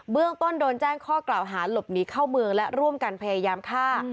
เรื่องต้นโดนแจ้งข้อกล่าวหาหลบหนีเข้าเมืองและร่วมกันพยายามฆ่า